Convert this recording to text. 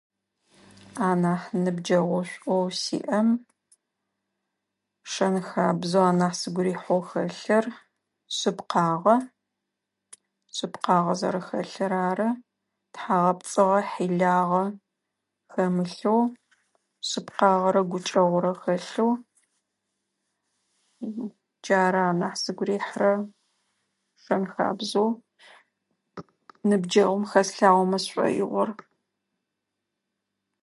Анахь ныбджэгъушхо сиӏэм шэнхабзэ анахь сыгу рихьэу хэлъыр шъыпкъагъэ, шъыпкъагъэ зэрэхэлъыр ары. Тхьэгъэпцӏыгъэ, хьылъагъэ хэмылъэу шъыпкъагъэрэ гукӏэгъурэ хэлъэу джары анахь сыгу рихьырэ шэнхабзэу ныбджэгъум хэслъэгъумэ сшӏоигъор.